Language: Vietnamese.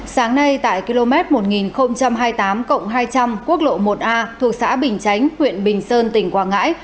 sáng nay tại km một nghìn hai mươi tám hai trăm linh quốc lộ một a thuộc xã bình chánh huyện bình sơn tỉnh quảng ngãi